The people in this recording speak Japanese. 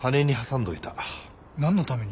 なんのために？